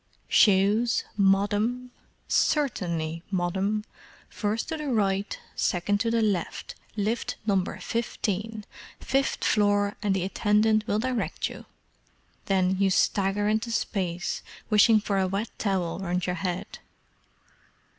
"'Shoes, Moddam? Certainly, Moddam; first to the right, second to the left, lift Number fifteen, fifth floor and the attendant will direct you!' Then you stagger into space, wishing for a wet towel round your head!"